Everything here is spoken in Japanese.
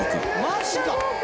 マジか！